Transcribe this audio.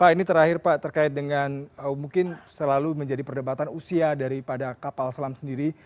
pak ini terakhir pak terkait dengan mungkin selalu menjadi perdebatan usia daripada kapal selam sendiri